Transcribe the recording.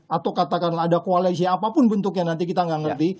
atau katakanlah ada koalisi apapun bentuknya nanti kita nggak ngerti